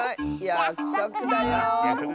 やくそくだ！